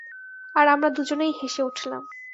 আর আমরা দুজনেই হেসে উঠলাম।